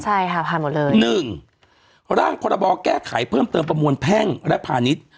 ใช่ค่ะผ่านหมดเลย๑ร่างพรบแก้ไขเพิ่มเติมประมวลแพ่งและพาณิชย์